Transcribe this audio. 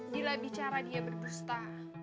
bila bicara dia berbusta